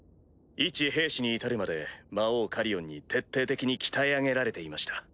いち兵士に至るまで魔王カリオンに徹底的に鍛え上げられていました。